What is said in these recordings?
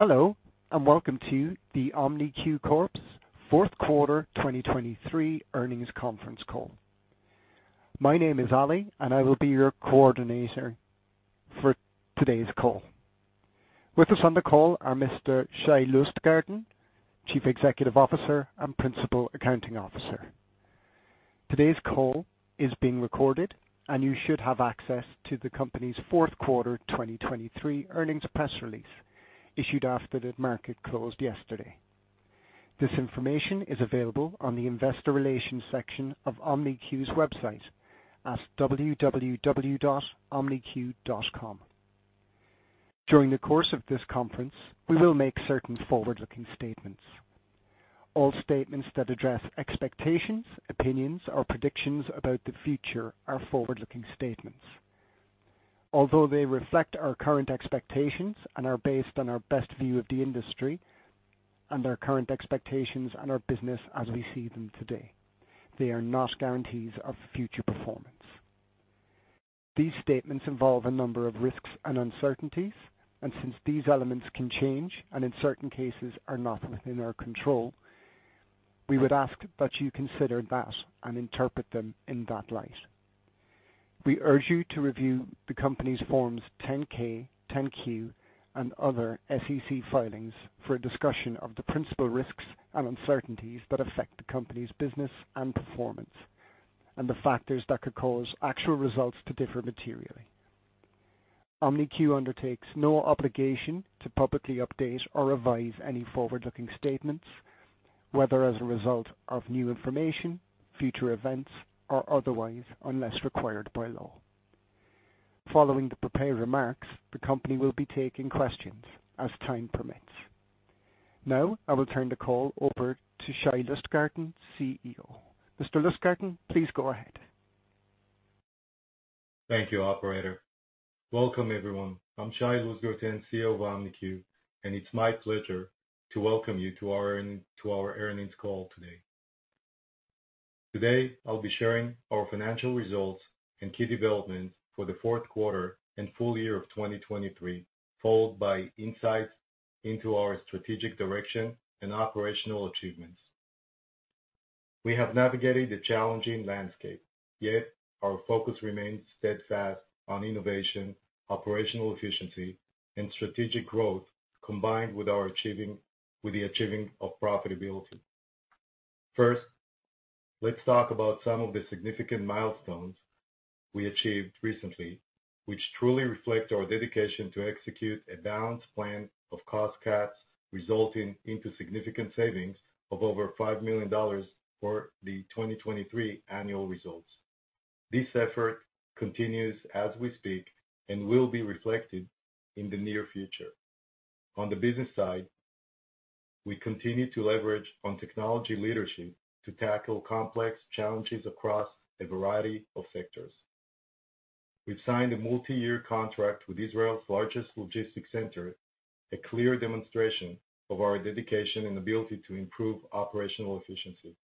Hello and welcome to the OMNIQ Corp.'s fourth quarter 2023 earnings conference call. My name is Ali, and I will be your coordinator for today's call. With us on the call are Mr. Shai Lustgarten, Chief Executive Officer and Principal Accounting Officer. Today's call is being recorded, and you should have access to the company's fourth quarter 2023 earnings press release issued after the market closed yesterday. This information is available on the investor relations section of OMNIQ's website at www.omniq.com. During the course of this conference, we will make certain forward-looking statements. All statements that address expectations, opinions, or predictions about the future are forward-looking statements. Although they reflect our current expectations and are based on our best view of the industry and our current expectations and our business as we see them today, they are not guarantees of future performance. These statements involve a number of risks and uncertainties, and since these elements can change and in certain cases are not within our control, we would ask that you consider that and interpret them in that light. We urge you to review the company's Forms 10-K, 10-Q, and other SEC filings for a discussion of the principal risks and uncertainties that affect the company's business and performance and the factors that could cause actual results to differ materially. OMNIQ undertakes no obligation to publicly update or revise any forward-looking statements, whether as a result of new information, future events, or otherwise unless required by law. Following the prepared remarks, the company will be taking questions as time permits. Now I will turn the call over to Shai Lustgarten, CEO. Mr. Lustgarten, please go ahead. Thank you, Operator. Welcome, everyone. I'm Shai Lustgarten, CEO of OMNIQ, and it's my pleasure to welcome you to our earnings call today. Today I'll be sharing our financial results and key developments for the fourth quarter and full year of 2023, followed by insights into our strategic direction and operational achievements. We have navigated the challenging landscape, yet our focus remains steadfast on innovation, operational efficiency, and strategic growth combined with the achieving of profitability. First, let's talk about some of the significant milestones we achieved recently, which truly reflect our dedication to execute a balanced plan of cost cuts resulting into significant savings of over $5 million for the 2023 annual results. This effort continues as we speak and will be reflected in the near future. On the business side, we continue to leverage on technology leadership to tackle complex challenges across a variety of sectors. We've signed a multi-year contract with Israel's largest logistics center, a clear demonstration of our dedication and ability to improve operational efficiency.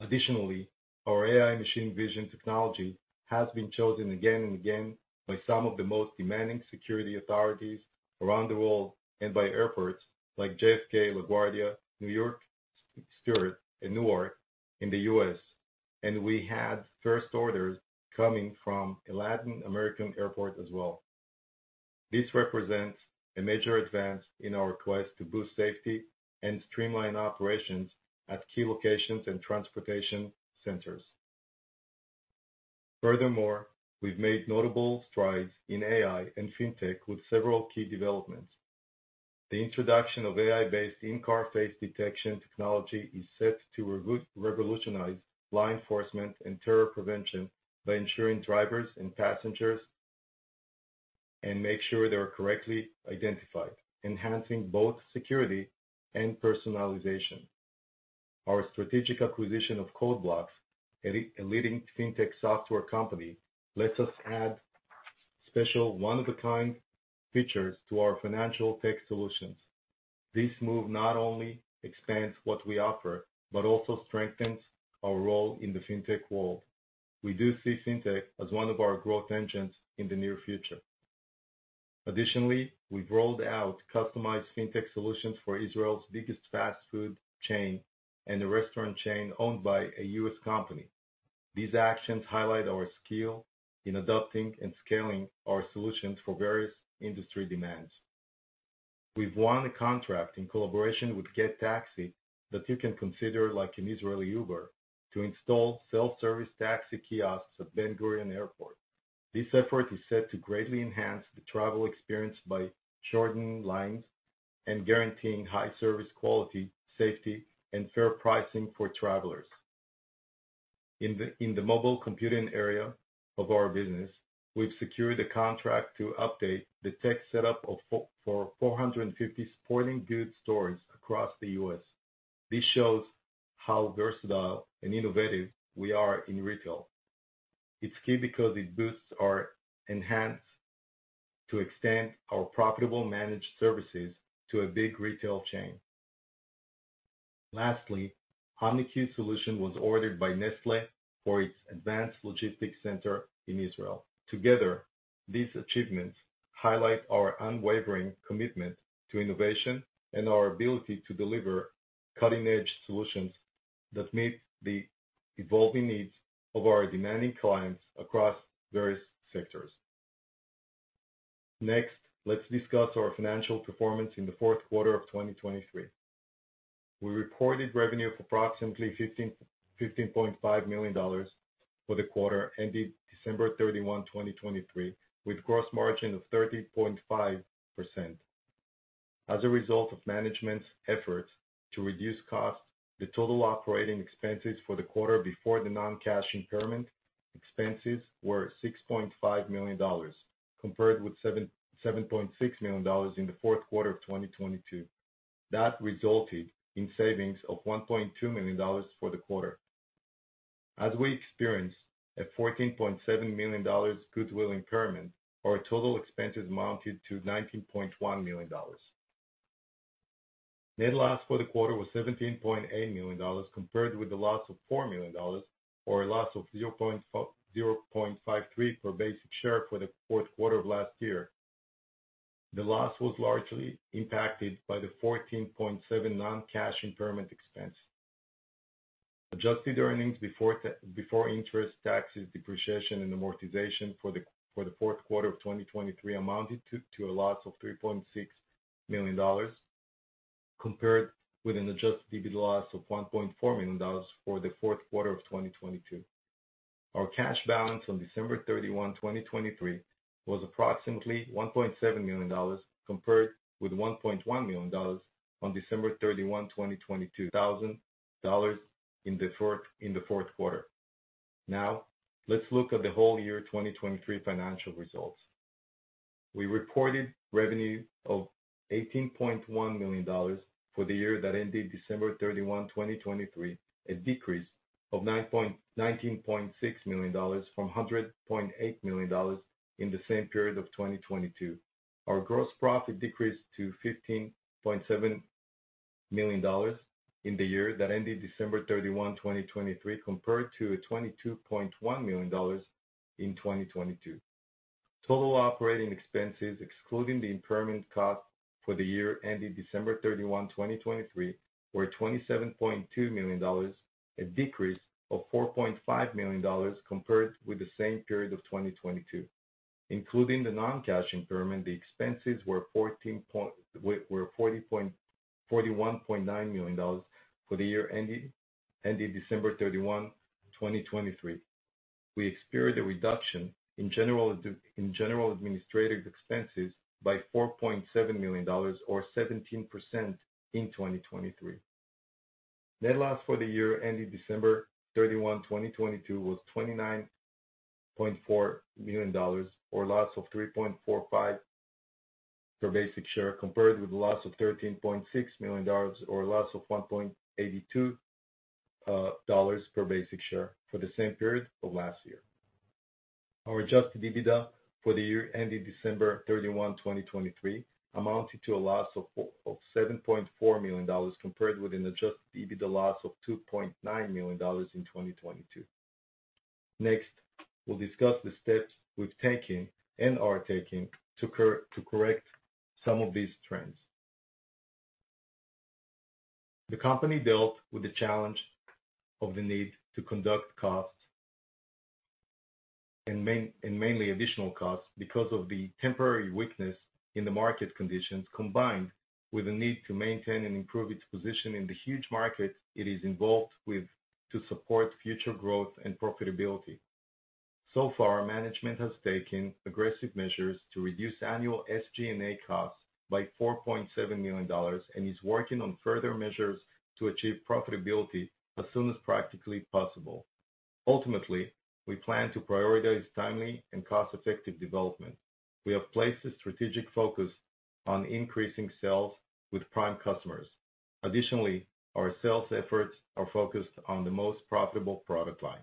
Additionally, our AI machine vision technology has been chosen again and again by some of the most demanding security authorities around the world and by airports like JFK, LaGuardia, New York Stewart, and Newark in the U.S., and we had first orders coming from a Latin American Airport as well. This represents a major advance in our quest to boost safety and streamline operations at key locations and transportation centers. Furthermore, we've made notable strides in AI and fintech with several key developments. The introduction of AI-based in-car face detection technology is set to revolutionize law enforcement and terror prevention by ensuring drivers and passengers make sure they're correctly identified, enhancing both security and personalization. Our strategic acquisition of CodeBlock, a leading fintech software company, lets us add special one-of-a-kind features to our financial tech solutions. This move not only expands what we offer but also strengthens our role in the fintech world. We do see fintech as one of our growth engines in the near future. Additionally, we've rolled out customized fintech solutions for Israel's biggest fast food chain and a restaurant chain owned by a US company. These actions highlight our skill in adopting and scaling our solutions for various industry demands. We've won a contract in collaboration with Gett that you can consider like an Israeli Uber to install self-service taxi kiosks at Ben Gurion Airport. This effort is set to greatly enhance the travel experience by shortening lines and guaranteeing high service quality, safety, and fair pricing for travelers. In the mobile computing area of our business, we've secured a contract to update the tech setup for 450 sporting goods stores across the U.S. This shows how versatile and innovative we are in retail. It's key because it boosts our enhance to extend our profitable managed services to a big retail chain. Lastly, OMNIQ's solution was ordered by Nestlé for its advanced logistics center in Israel. Together, these achievements highlight our unwavering commitment to innovation and our ability to deliver cutting-edge solutions that meet the evolving needs of our demanding clients across various sectors. Next, let's discuss our financial performance in the fourth quarter of 2023. We reported revenue of approximately $15.5 million for the quarter ended December 31, 2023, with a gross margin of 30.5%. As a result of management's efforts to reduce costs, the total operating expenses for the quarter before the non-cash impairment expenses were $6.5 million, compared with $7.6 million in the fourth quarter of 2022. That resulted in savings of $1.2 million for the quarter. As we experienced a $14.7 million goodwill impairment, our total expenses mounted to $19.1 million. Net loss for the quarter was $17.8 million, compared with a loss of $4 million or a loss of 0.53 per basic share for the fourth quarter of last year. The loss was largely impacted by the $14.7 million non-cash impairment expense. Adjusted earnings before interest, taxes, depreciation, and amortization for the fourth quarter of 2023 amounted to a loss of $3.6 million, compared with an adjusted EBITDA loss of $1.4 million for the fourth quarter of 2022. Our cash balance on December 31, 2023, was approximately $1.7 million, compared with $1.1 million on December 31, 2022. $1,000 in the fourth quarter. Now let's look at the whole year 2023 financial results. We reported revenue of $18.1 million for the year that ended December 31, 2023, a decrease of $19.6 million from $100.8 million in the same period of 2022. Our gross profit decreased to $15.7 million in the year that ended December 31, 2023, compared to $22.1 million in 2022. Total operating expenses, excluding the impairment cost for the year ended December 31, 2023, were $27.2 million, a decrease of $4.5 million compared with the same period of 2022. Including the non-cash impairment, the expenses were $41.9 million for the year ended December 31, 2023. We experienced a reduction in general administrative expenses by $4.7 million or 17% in 2023. Net loss for the year ended December 31, 2022, was $29.4 million or a loss of $3.45 per basic share, compared with a loss of $13.6 million or a loss of $1.82 per basic share for the same period of last year. Our adjusted EBITDA for the year ended December 31, 2023, amounted to a loss of $7.4 million, compared with an adjusted EBITDA loss of $2.9 million in 2022. Next, we'll discuss the steps we've taken and are taking to correct some of these trends. The company dealt with the challenge of the need to cut costs and mainly additional costs because of the temporary weakness in the market conditions, combined with the need to maintain and improve its position in the huge market it is involved with to support future growth and profitability. So far, management has taken aggressive measures to reduce annual SG&A costs by $4.7 million and is working on further measures to achieve profitability as soon as practically possible. Ultimately, we plan to prioritize timely and cost-effective development. We have placed a strategic focus on increasing sales with prime customers. Additionally, our sales efforts are focused on the most profitable product lines.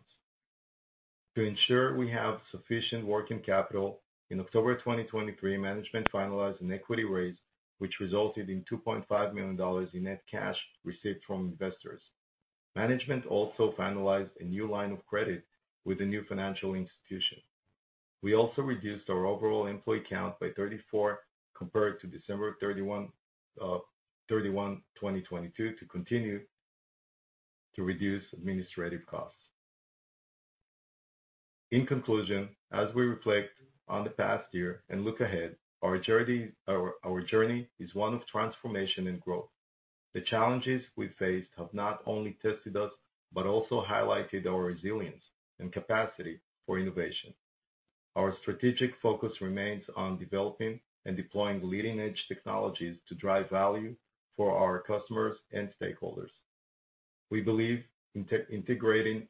To ensure we have sufficient working capital, in October 2023, management finalized an equity raise, which resulted in $2.5 million in net cash received from investors. Management also finalized a new line of credit with a new financial institution. We also reduced our overall employee count by 34 compared to December 31, 2022, to continue to reduce administrative costs. In conclusion, as we reflect on the past year and look ahead, our journey is one of transformation and growth. The challenges we've faced have not only tested us but also highlighted our resilience and capacity for innovation. Our strategic focus remains on developing and deploying leading-edge technologies to drive value for our customers and stakeholders. We believe integrating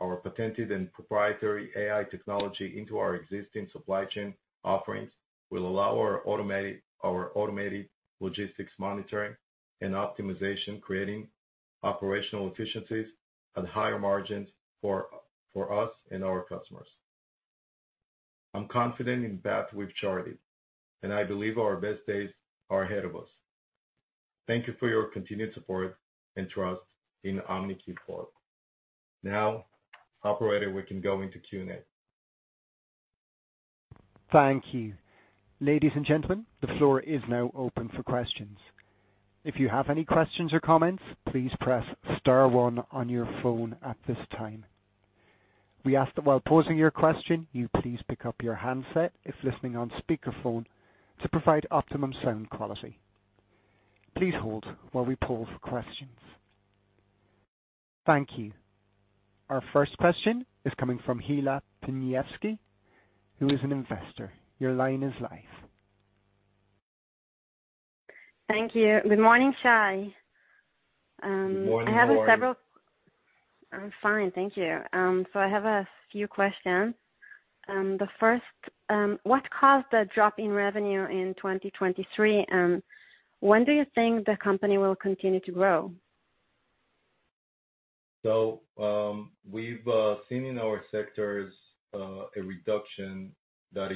our patented and proprietary AI technology into our existing supply chain offerings will allow our automated logistics monitoring and optimization to create operational efficiencies at higher margins for us and our customers. I'm confident in the path we've charted, and I believe our best days are ahead of us. Thank you for your continued support and trust in OMNIQ forward. Now, Operator, we can go into Q&A. Thank you. Ladies and gentlemen, the floor is now open for questions. If you have any questions or comments, please press star 1 on your phone at this time. We ask that while posing your question, you please pick up your handset if listening on speakerphone to provide optimum sound quality. Please hold while we pull for questions. Thank you. Our first question is coming from Hila Pniewski, who is an investor. Your line is live. Thank you. Good morning, Shai. Good morning, Operator. I have several. I'm fine. Thank you. So I have a few questions. The first, what caused the drop in revenue in 2023, and when do you think the company will continue to grow? So we've seen in our sectors a reduction that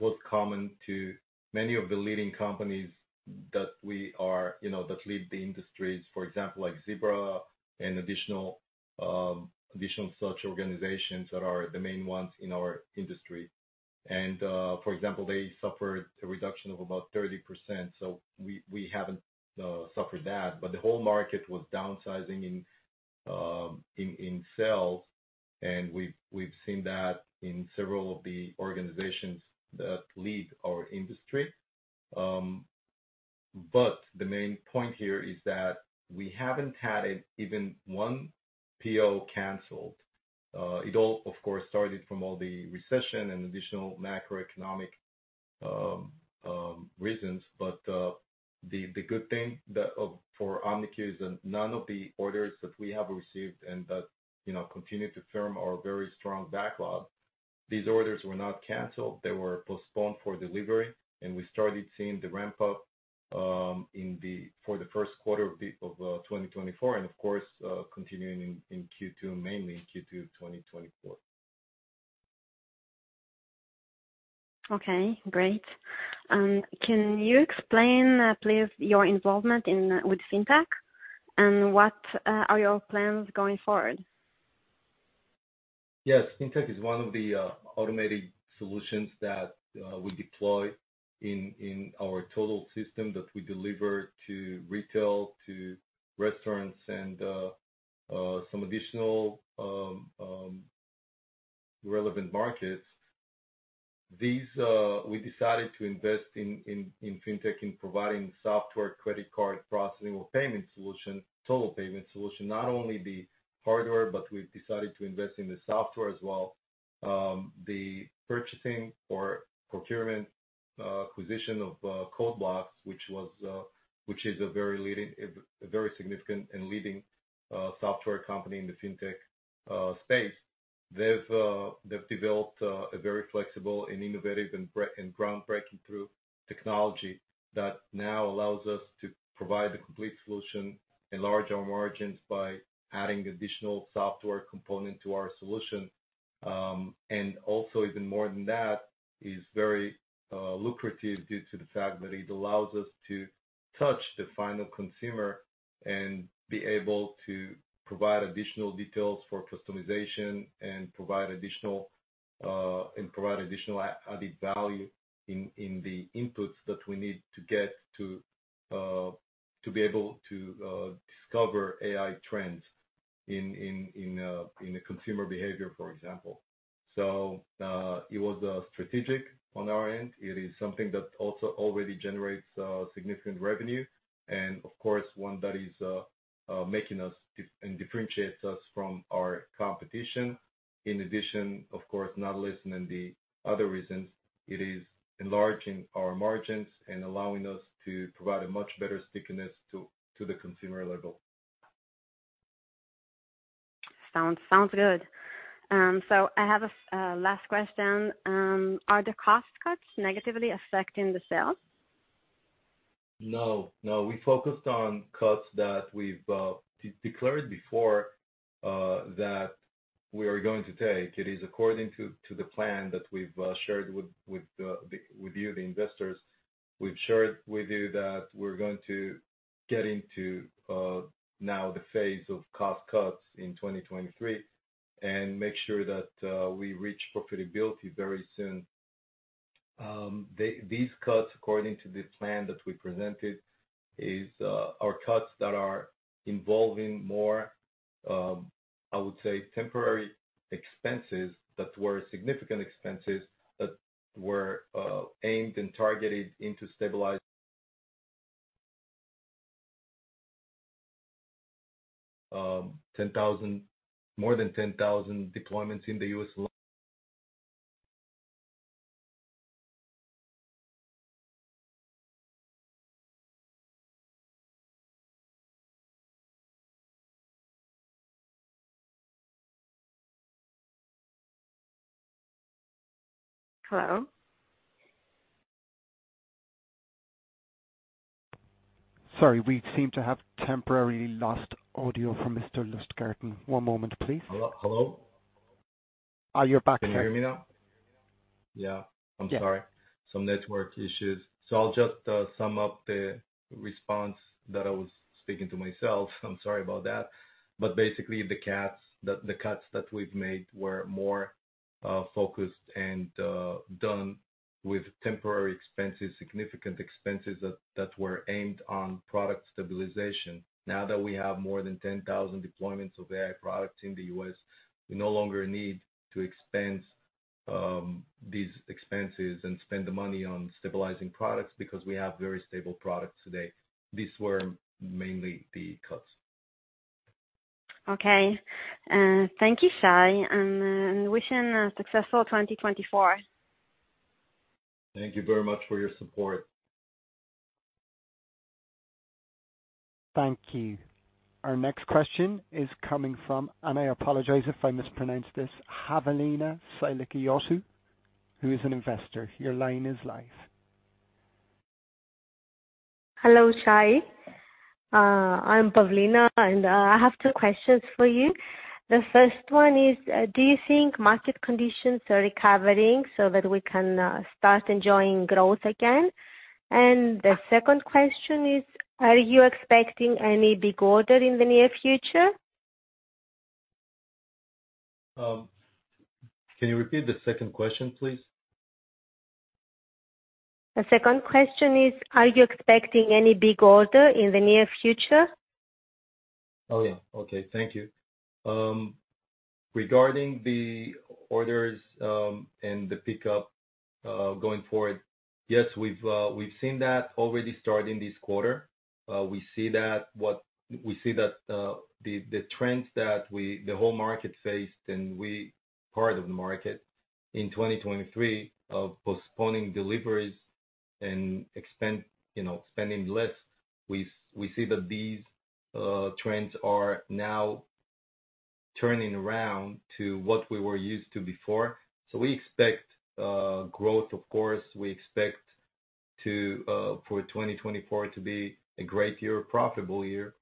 was common to many of the leading companies that lead the industries, for example, like Zebra and additional such organizations that are the main ones in our industry. And for example, they suffered a reduction of about 30%. So we haven't suffered that, but the whole market was downsizing in sales, and we've seen that in several of the organizations that lead our industry. But the main point here is that we haven't had even one PO canceled. It all, of course, started from all the recession and additional macroeconomic reasons. But the good thing for OMNIQ is that none of the orders that we have received and that continue to firm our very strong backlog, these orders were not canceled. They were postponed for delivery, and we started seeing the ramp-up for the first quarter of 2024 and, of course, continuing mainly in Q2 of 2024. Okay. Great. Can you explain, please, your involvement with fintech and what are your plans going forward? Yes. Fintech is one of the automated solutions that we deploy in our total system that we deliver to retail, to restaurants, and some additional relevant markets. We decided to invest in fintech in providing software credit card processing or total payment solution, not only the hardware, but we've decided to invest in the software as well. The purchasing or procurement acquisition of CodeBlock, which is a very significant and leading software company in the fintech space, they've developed a very flexible and innovative and groundbreaking technology that now allows us to provide the complete solution, enlarge our margins by adding additional software components to our solution. And also, even more than that, is very lucrative due to the fact that it allows us to touch the final consumer and be able to provide additional details for customization and provide additional added value in the inputs that we need to get to be able to discover AI trends in the consumer behavior, for example. So it was strategic on our end. It is something that also already generates significant revenue and, of course, one that is making us and differentiates us from our competition. In addition, of course, not less than the other reasons, it is enlarging our margins and allowing us to provide a much better stickiness to the consumer level. Sounds good. I have a last question. Are the cost cuts negatively affecting the sales? No. No. We focused on cuts that we've declared before that we are going to take. It is according to the plan that we've shared with you, the investors. We've shared with you that we're going to get into now the phase of cost cuts in 2023 and make sure that we reach profitability very soon. These cuts, according to the plan that we presented, are cuts that are involving more, I would say, temporary expenses that were significant expenses that were aimed and targeted into stabilizing more than 10,000 deployments in the U.S. alone. Hello? Sorry. We seem to have temporarily lost audio from Mr. Lustgarten. One moment, please. Hello? You're back. Can you hear me now? Yeah. I'm sorry. Some network issues. So I'll just sum up the response that I was speaking to myself. I'm sorry about that. But basically, the cuts that we've made were more focused and done with temporary expenses, significant expenses that were aimed on product stabilization. Now that we have more than 10,000 deployments of AI products in the U.S., we no longer need to expense these expenses and spend the money on stabilizing products because we have very stable products today. These were mainly the cuts. Okay. Thank you, Shai. And wishing a successful 2024. Thank you very much for your support. Thank you. Our next question is coming from, and I apologize if I mispronounced this, Pavlina Sailikiotou, who is an investor. Your line is live. Hello, Shai. I'm Pavlina, and I have two questions for you. The first one is, do you think market conditions are recovering so that we can start enjoying growth again? The second question is, are you expecting any big order in the near future? Can you repeat the second question, please? The second question is, are you expecting any big order in the near future? Oh, yeah. Okay. Thank you. Regarding the orders and the pickup going forward, yes, we've seen that already starting this quarter. We see that the trends that the whole market faced and part of the market in 2023 of postponing deliveries and spending less, we see that these trends are now turning around to what we were used to before. So we expect growth. Of course, we expect for 2024 to be a great year, a profitable year.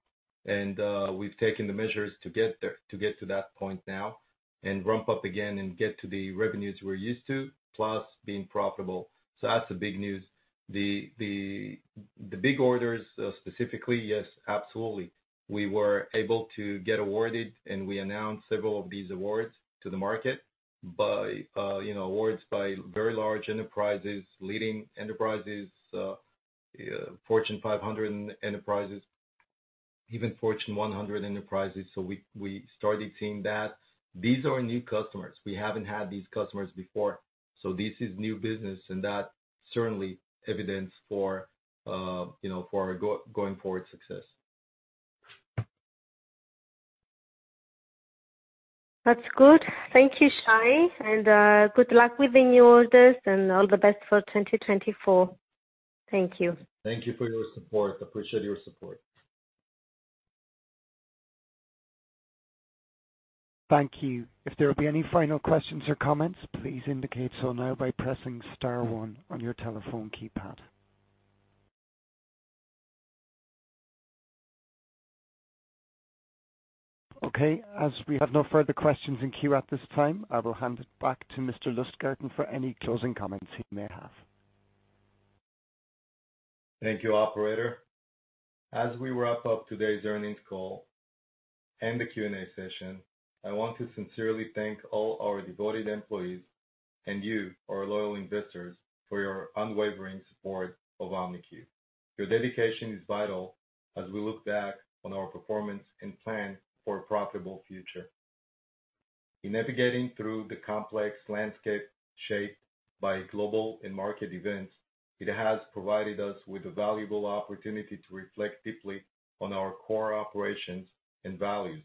And we've taken the measures to get to that point now and ramp up again and get to the revenues we're used to, plus being profitable. So that's the big news. The big orders, specifically, yes, absolutely. We were able to get awarded, and we announced several of these awards to the market, awards by very large enterprises, leading enterprises, Fortune 500 enterprises, even Fortune 100 enterprises. We started seeing that. These are new customers. We haven't had these customers before. This is new business, and that certainly evidences for our going forward success. That's good. Thank you, Shai. And good luck with the new orders, and all the best for 2024. Thank you. Thank you for your support. Appreciate your support. Thank you. If there will be any final questions or comments, please indicate so now by pressing star 1 on your telephone keypad. Okay. As we have no further questions in queue at this time, I will hand it back to Mr. Lustgarten for any closing comments he may have. Thank you, Operator. As we wrap up today's earnings call and the Q&A session, I want to sincerely thank all our devoted employees and you, our loyal investors, for your unwavering support of OMNIQ. Your dedication is vital as we look back on our performance and plan for a profitable future. In navigating through the complex landscape shaped by global and market events, it has provided us with a valuable opportunity to reflect deeply on our core operations and values.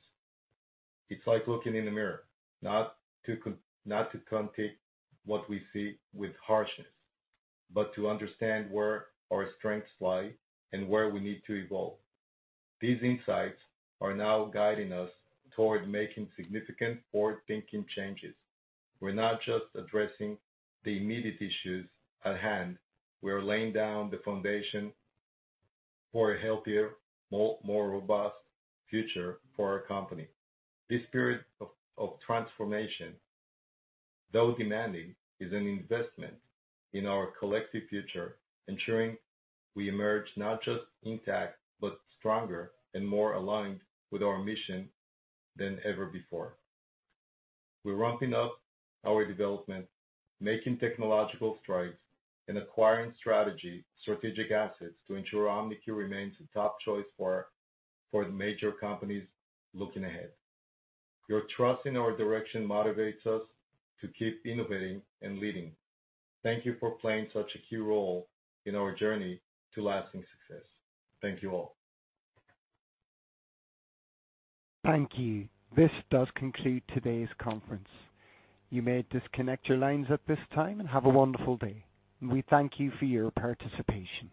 It's like looking in the mirror, not to critique what we see with harshness, but to understand where our strengths lie and where we need to evolve. These insights are now guiding us toward making significant forward-thinking changes. We're not just addressing the immediate issues at hand. We are laying down the foundation for a healthier, more robust future for our company. This period of transformation, though demanding, is an investment in our collective future, ensuring we emerge not just intact but stronger and more aligned with our mission than ever before. We're ramping up our development, making technological strides, and acquiring strategic assets to ensure OMNIQ remains a top choice for the major companies looking ahead. Your trust in our direction motivates us to keep innovating and leading. Thank you for playing such a key role in our journey to lasting success. Thank you all. Thank you. This does conclude today's conference. You may disconnect your lines at this time and have a wonderful day. We thank you for your participation.